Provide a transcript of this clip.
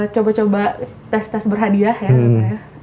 coba coba tes tes berhadiah ya